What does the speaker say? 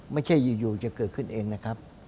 ไม่ใช่อยู่จะเกิดขึ้นเองนะครับ